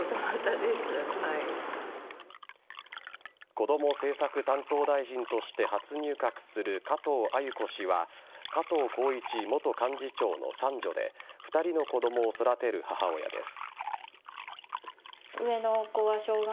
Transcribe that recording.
こども政策担当大臣として初入閣する加藤鮎子氏は加藤紘一元幹事長の三女で２人の子供を育てる母親です。